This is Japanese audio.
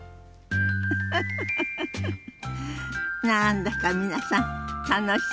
フフフ何だか皆さん楽しそうね。